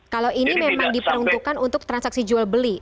kalau ini memang diperuntukkan untuk transaksi jual beli